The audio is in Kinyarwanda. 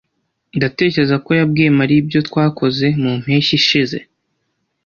Ndatekereza ko yabwiye Mariya ibyo twakoze mu mpeshyi ishize.